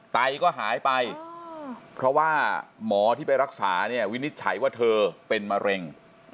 ไตก็หายไปเพราะว่าหมอที่ไปรักษาเนี่ยวินิจฉัยว่าเธอเป็นมะเร็ง